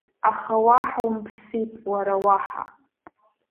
Аха уаҳа умԥсит, уара, уаҳа!